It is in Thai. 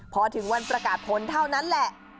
พอถึงวันประกาศผลเท่านั้นแหละ